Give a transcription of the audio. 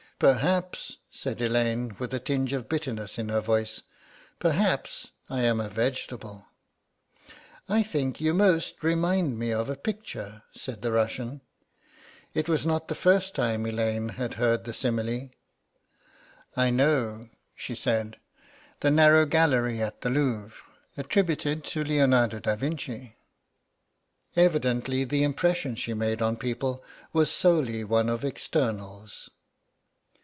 "Perhaps," said Elaine, with a tinge of bitterness in her voice, "perhaps I am a vegetable." "I think you most remind me of a picture," said the Russian. It was not the first time Elaine had heard the simile. "I know," she said, "the Narrow Gallery at the Louvre; attributed to Leonardo da Vinci." Evidently the impression she made on people was solely one of externals.